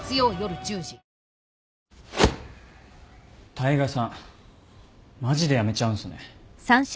大海さんマジで辞めちゃうんすね。